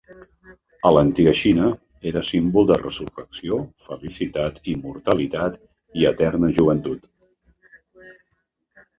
A l'Antiga Xina era símbol de resurrecció, felicitat, immortalitat i eterna joventut.